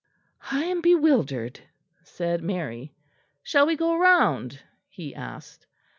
"I am bewildered," said Mary. "Shall we go round?" he asked.